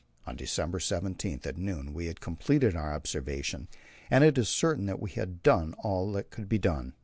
On December 17 at noon we had completed our observations, and it is certain that we had done all that could be done.